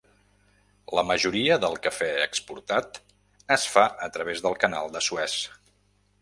La majoria del cafè exportat es fa a través del Canal de Suez.